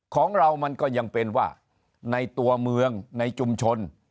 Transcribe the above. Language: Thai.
ของเรามันก็ยังเป็นว่าในตัวเมืองในชุมชน